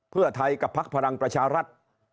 เพื่อไทยกับพักพลังประชารัฐ